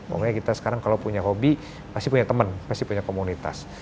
pokoknya kita sekarang kalau punya hobi pasti punya teman pasti punya komunitas